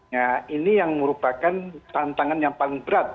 nah ini yang merupakan tantangan yang paling berat